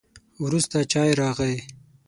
وروسته چای راغی.